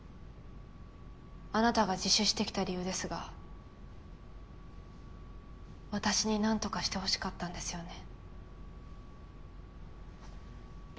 あなたが自首してきた理由ですが私に何とかして欲しかったんですよね？